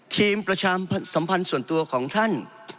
ประชามสัมพันธ์ส่วนตัวของท่าน